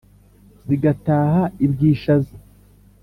Zigataha i Bwishaza,